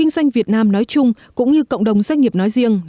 là làm sao những cái